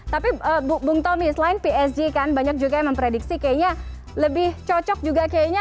tapi bung tommy selain psg kan banyak juga yang memprediksi kayaknya lebih cocok juga kayaknya